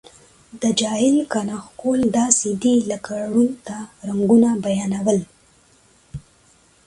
د جاهل قانع کول داسې دي لکه ړوند ته رنګونه بیانوي.